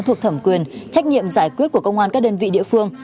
thuộc thẩm quyền trách nhiệm giải quyết của công an các đơn vị địa phương